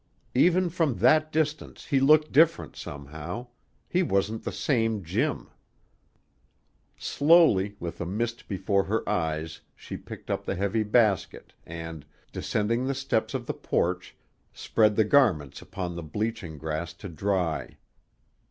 Even from that distance he looked different, somehow; he wasn't the same Jim. Slowly, with a mist before her eyes she picked up the heavy basket, and, descending the steps of the porch, spread the garments upon the bleaching grass to dry.